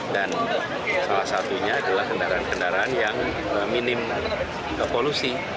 dan salah satunya adalah kendaraan kendaraan yang minim ke polusi